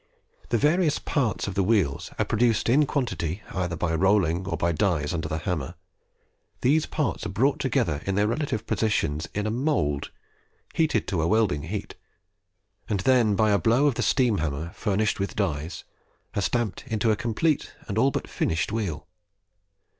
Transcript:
The various parts of the wheels are produced in quantity either by rolling or by dies under the hammer; these parts are brought together in their relative positions in a mould, heated to a welding heat, and then by a blow of the steam hammer, furnished with dies, are stamped into a complete and all but finished wheel.